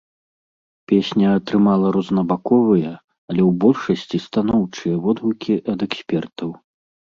Песня атрымала рознабаковыя, але ў большасці станоўчыя водгукі ад экспертаў.